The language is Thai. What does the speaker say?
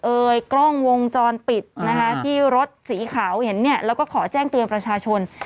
กล้องวงจรปิดนะคะที่รถสีขาวเห็นเนี่ยแล้วก็ขอแจ้งเตือนประชาชน